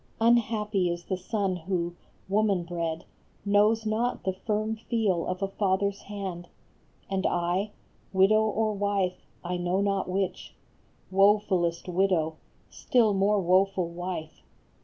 Unhappy is the son who, woman bred, Knows not the firm feel of a father s hand ; And I, widow or wife, I know not which, Wofulest widow, still more woful wife